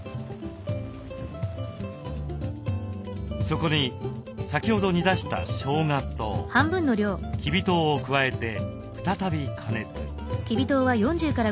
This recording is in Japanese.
そこに先ほど煮出したしょうがときび糖を加えて再び加熱。